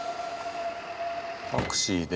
タクシーで。